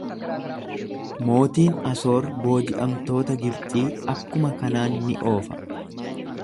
Mootiin Asoor booji'amtoota Gibxii akkuma kanaan ni oofa.